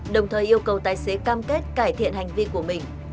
đồng thời yêu cầu tài xế cam kết cải thiện hành vi của mình